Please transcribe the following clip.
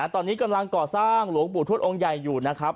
ตอนนี้กำลังก่อสร้างหลวงปู่ทวดองค์ใหญ่อยู่นะครับ